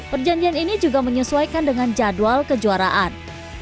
perjanjian ini juga menyesuaikan dengan jadwal kejuaraan